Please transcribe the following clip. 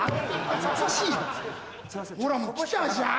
ほらもう来たじゃん！